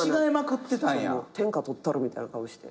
天下とったるみたいな顔して。